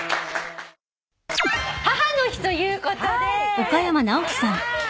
母の日ということで。